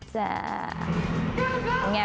แจ่